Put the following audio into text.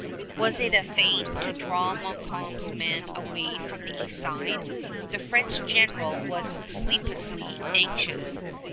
Was it a feint to draw Montcalm's men away from the east side? The French general was sleeplessly anxious.